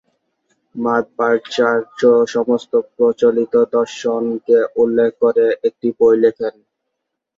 মাধবাচার্য সমস্ত প্রচলিত দর্শনকে উল্ল্যেখ করে একটি বই লেখেন।